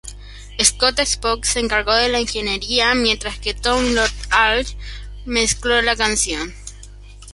Scott Spock se encargo de la ingeniería, mientras que Tom Lord-Alge mezcló la canción.